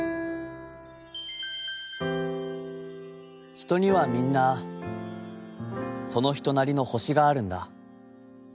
「『ひとにはみんな、そのひとなりの星があるんだ。